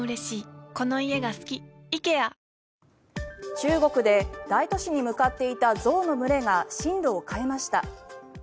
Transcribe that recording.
中国で大都市に向かっていた象の群れが進路を変えました。